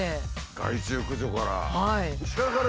害虫駆除から。